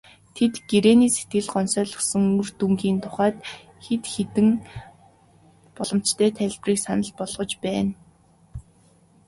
Тэд гэрээний сэтгэл гонсойлгосон үр дүнгийн тухайд хэд хэдэн боломжтой тайлбарыг санал болгож байна.